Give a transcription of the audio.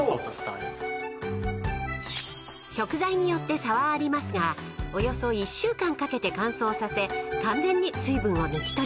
［食材によって差はありますがおよそ１週間かけて乾燥させ完全に水分を抜き取ります］